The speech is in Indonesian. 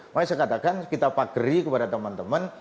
saya katakan kita pakri kepada teman teman